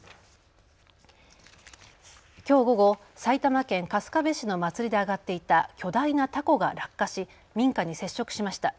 きょう午後、埼玉県春日部市の祭りで揚がっていた巨大なたこが落下し民家に接触しました。